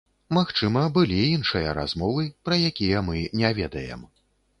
Магчыма, былі іншыя размовы, пра якія мы не ведаем.